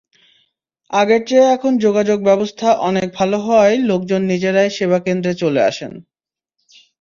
আগের চেয়ে এখন যোগাযোগব্যবস্থা অনেক ভালো হওয়ায় লোকজন নিজেরাই সেবাকেন্দ্রে চলে আসেন।